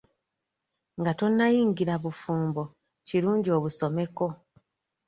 Nga tonnayingira bufumbo kirungi obusomeko.